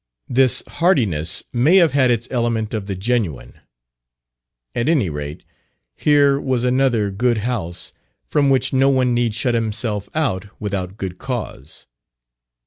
This heartiness may have had its element of the genuine; at any rate, here was another "good house," from which no one need shut himself out without good cause.